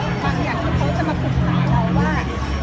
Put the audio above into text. แต่จะมีบางอย่างที่เขาจะมาปรุกษาอะไรว่า